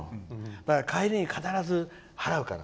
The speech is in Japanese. だから帰りに必ず払うから。